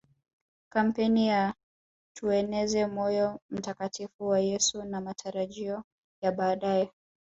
kampeni ya tueneze moyo mtakatifu wa Yesu na matarajio ya baadae